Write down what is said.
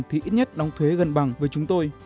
thì ít nhất đóng thuế gần bằng với chúng tôi